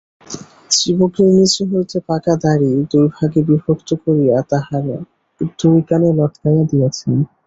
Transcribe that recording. চিবুকের নীচে হইতে পাকা দাড়ি দুই ভাগে বিভক্ত করিয়া তাঁহার দুই কানে লটকাইয়া দিয়াছেন।